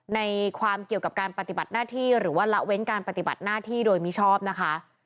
ในความเกี่ยวกับการปฏิบัติหน้าที่หรือว่าละเว้นการปฏิบัติหน้าที่โดยมิชอบนะคะ